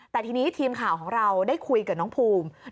แต่ทีนี้ทีมข่าวของเราได้คุยกับน้องภูมิ